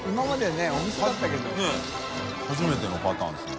ねぇ初めてのパターンですね。